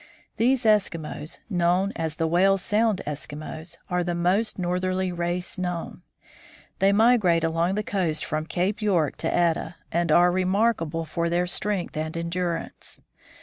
These Eskimos, known as the Whale Sound Eskimos, are the most northerly race known. They migrate along the coast from Cape York to Etah, and are remarkable THE DISCOVERY OF THE NORTH POLE 161 for their strength and endurance.